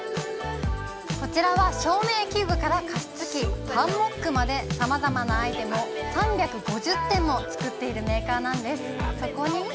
こちらは照明器具から加湿器、ハンモックまで、さまざまなアイテムを３５０点も作っているメーカーなんです。